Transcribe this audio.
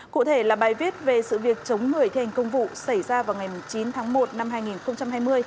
cụ thể là bài viết về sự việc chống người thi hành công vụ xảy ra vào ngày chín tháng một năm hai nghìn hai mươi